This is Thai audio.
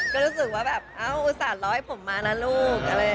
ก็รู้สึกว่าอุตส่าห์ล้อให้ผมมานะลูก